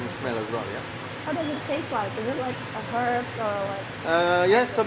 bagaimana rasanya seperti herba